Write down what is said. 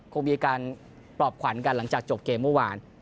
คงมีการปลอบขวัญกันหลังจากจบเกมเมื่อวาน